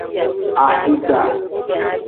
Ahigba.